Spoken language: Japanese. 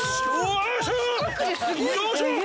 よいしょ！